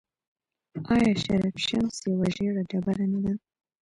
آیا شرف الشمس یوه ژیړه ډبره نه ده؟